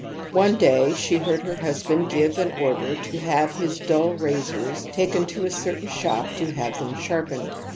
One day she heard her husband give an order to have his dull razors taken to a certain shop to have them sharpened.